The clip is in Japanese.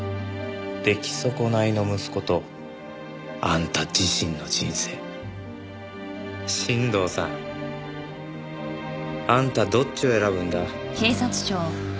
出来損ないの息子とあんた自身の人生新堂さんあんたどっちを選ぶんだ？